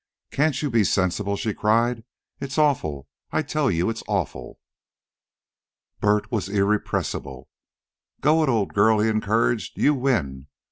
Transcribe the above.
"Can't you be sensible?" she cried. "It's awful! I tell you it's awful!" But Bert was irrepressible. "Go it, old girl!" he encouraged. "You win!